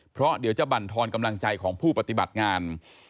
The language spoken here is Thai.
เพราะเดี๋ยวจะบรรทอนกำลังใจของผู้ปฏิบัติงาน